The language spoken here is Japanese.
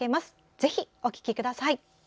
ぜひお聴きください。